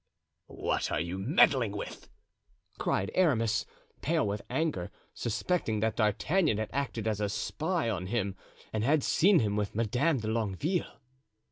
"What are you meddling with?" cried Aramis, pale with anger, suspecting that D'Artagnan had acted as a spy on him and had seen him with Madame de Longueville.